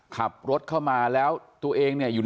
ขับรถเข้ามาแล้วตัวเองเนี่ยอยู่